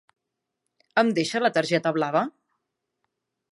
Em deixa la targeta blava?